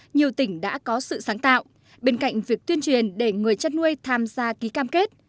nhiều tỉnh đã có sự sáng tạo bên cạnh việc tuyên truyền để người chăn nuôi tham gia ký cam kết